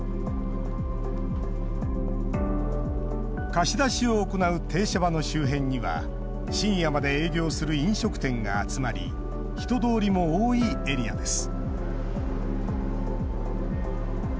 貸し出しを行う停車場の周辺には深夜まで営業する飲食店が集まり人通りも多いエリアです。